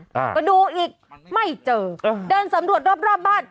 ตกน้ำมันอ่าก็ดูอีกไม่เจออืมเดินสำรวจรอบรอบบ้าน